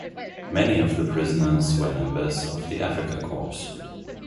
Many of the prisoners were members of the Afrika Korps.